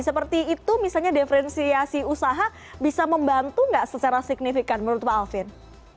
seperti itu misalnya diferensiasi usaha bisa membantu nggak secara signifikan menurut pak alvin